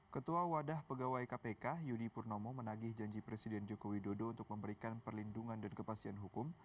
ketua wadah pegawai kpk yudi purnomo menagih janji presiden joko widodo untuk memberikan perlindungan dan kepastian hukum